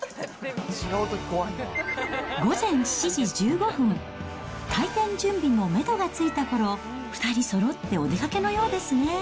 午前７時１５分、開店準備もメドがついたころ、２人そろってお出かけのようですね。